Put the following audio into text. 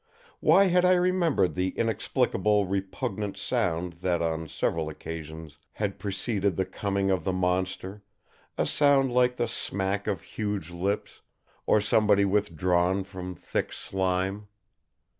Why had I remembered the inexplicable, repugnant sound that on several occasions had preceded the coming of the Monster; a sound like the smack of huge lips, or some body withdrawn from thick slime?